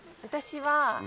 私は。